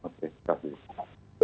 oke terima kasih